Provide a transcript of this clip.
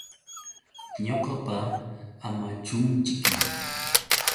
Ñuqapa Amachumćhiki.